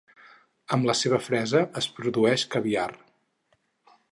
Amb la seva fresa es produeix caviar.